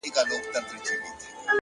• زه به بختور یم ,